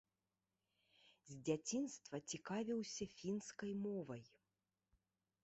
З дзяцінства цікавіўся фінскай мовай.